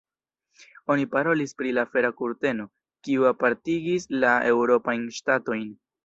Oni parolis pri la fera kurteno, kiu apartigis la eŭropajn ŝtatojn.